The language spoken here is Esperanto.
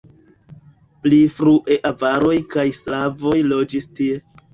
Pli frue avaroj kaj slavoj loĝis tie.